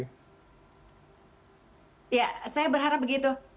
ya saya berharap begitu